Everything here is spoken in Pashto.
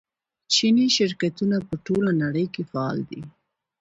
چیني شرکتونه په ټوله نړۍ کې فعال دي.